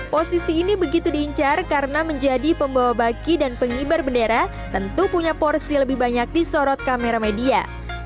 posisi ini begitu diincar karena menjadi pembawa baki dan pengibar bendera tentu punya porsi lebih banyak disorot kamera media